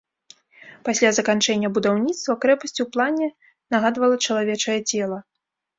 Пасля заканчэння будаўніцтва крэпасць у плане нагадвала чалавечае цела.